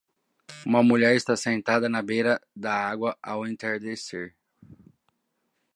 Uma mulher está sentada na beira da água ao entardecer.